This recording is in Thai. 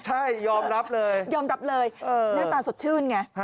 ใช่ยอมรับเลยยอมรับเลยหน้าตาสดชื่นไง